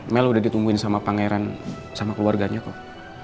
mel udah ditungguin sama pangeran sama keluarganya kok